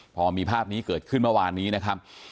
พอมีภาพนี้เกิดขึ้นเมื่อวานนี้นะครับ